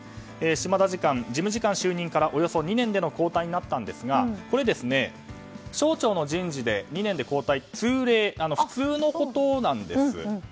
島田次官、事務次官就任からおよそ２年での交代になったんですが省庁の人事で２年で交代は通例普通のことなんです。